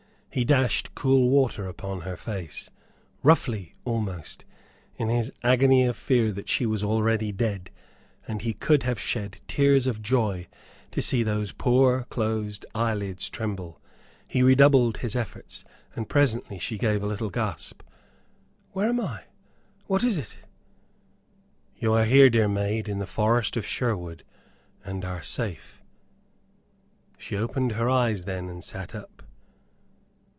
He dashed cool water upon her face, roughly almost, in his agony of fear that she was already dead, and he could have shed tears of joy to see those poor closed eyelids tremble. He redoubled his efforts; and presently she gave a little gasp: "Where am I, what is't?" "You are here, dear maid, in the forest of Sherwood, and are safe." She opened her eyes then, and sat up.